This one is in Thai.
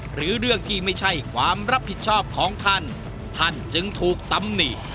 หรือเรื่องที่ไม่ใช่ความรับผิดชอบของท่านท่านจึงถูกตำหนิ